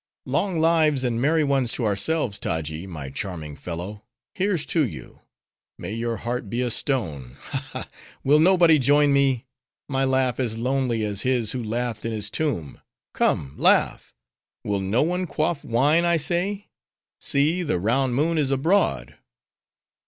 Long lives, and merry ones to ourselves! Taji, my charming fellow, here's to you:—May your heart be a stone! Ha, ha!—will nobody join me? My laugh is lonely as his who laughed in his tomb. Come, laugh; will no one quaff wine, I say? See! the round moon is abroad."